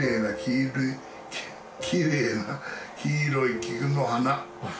きれいな黄色い菊の花。